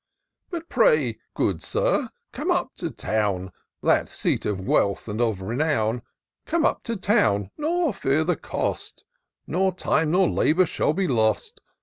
But pray, good Sir, come up to town. That seat of wealth and of renown : Come up to town, nor fear the cost; Nor time nor labour shall be lost.